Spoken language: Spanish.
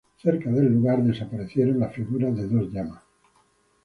Cerca del lugar, las figuras de dos llamas fueron desaparecidas.